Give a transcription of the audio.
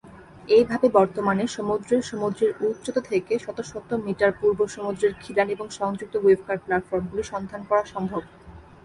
এইভাবে, বর্তমানে সমুদ্রের সমুদ্রের উচ্চতা থেকে শত শত মিটার পূর্ব সমুদ্রের খিলান এবং সংযুক্ত ওয়েভ-কাট প্ল্যাটফর্মগুলি সন্ধান করা সম্ভব।